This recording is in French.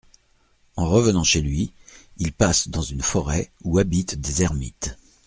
En revenant chez lui, il passe dans une forêt où habitent des ermites.